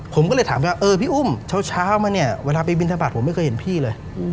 ผมก็เลยถามไปว่าเออพี่อุ้มเช้ามาเนี่ยเวลาไปบินทบาทผมไม่เคยเห็นพี่เลย